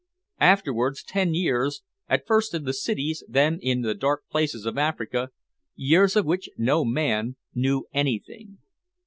Afterwards ten years at first in the cities, then in the dark places of Africa years of which no man knew anything.